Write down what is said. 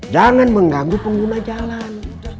jangan mengganggu pengguna jalan